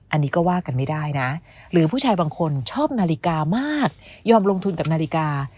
อันนี้ก็ว่ากันไม่ได้นะหรือผู้ชายบางคนชอบนาฬิกามากยอมลงทุนกับนาฬิกา